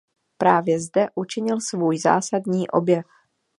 Právě zde učinil svůj zásadní objev.